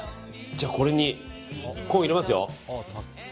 じゃあ、これにコーン入れますよ。